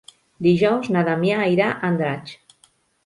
Dijous na Damià irà a Andratx.